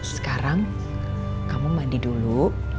sekarang kamu mandi dulu